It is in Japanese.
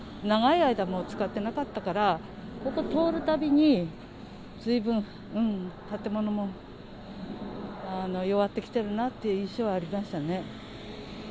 長い間、もう使ってなかったから、ここ通るたびに、ずいぶん、建物も弱ってきてるなっていう印象はありましたね。